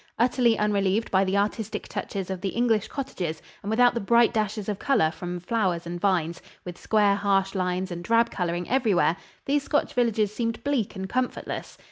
Utterly unrelieved by the artistic touches of the English cottages and without the bright dashes of color from flowers and vines, with square, harsh lines and drab coloring everywhere, these Scotch villages seemed bleak and comfortless.